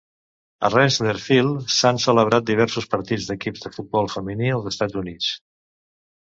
A Rentschler Field s"han celebrat diversos partits d"equips de futbol femení als Estats Units.